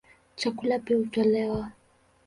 Chakula pia hutolewa.